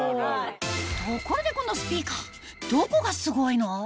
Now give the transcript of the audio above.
ところでこのスピーカーどこがすごいの？